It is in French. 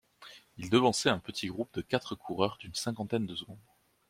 Il devançait un petit groupe de quatre coureurs d'une cinquantaine de secondes.